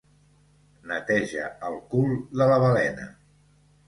Neteja el cul de la balena.